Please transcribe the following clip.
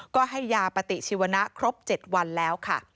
ก็ให้ยาปฏิชีวนะครบ๗วันแล้วค่ะ